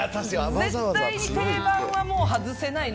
絶対に定番は外せないな